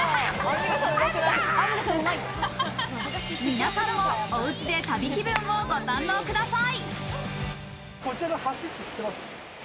皆さんもおうちで旅気分をご堪能ください。